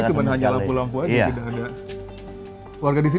sumbernya cuma hanya lampu lampu aja gitu ya iya karena nggak ada sirkulasi udara semua itu saja